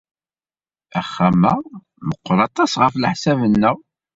Axxam-a meɣɣer aṭas ɣef leḥsab-nneɣ.